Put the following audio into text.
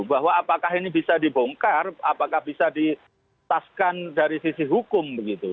bahwa apakah ini bisa dibongkar apakah bisa ditaskan dari sisi hukum begitu